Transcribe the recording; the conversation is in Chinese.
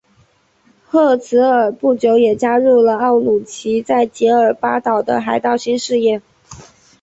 赫兹尔不久也加入了奥鲁奇在杰尔巴岛的海盗新事业。